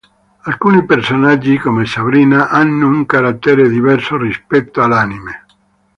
Alcuni personaggi, come Sabrina, hanno un carattere diverso rispetto all'anime.